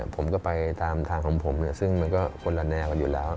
ผมก็ไปตามทางของผมซึ่งมันก็คนละแนวกันอยู่แล้ว